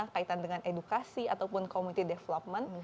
kaitan dengan edukasi ataupun community development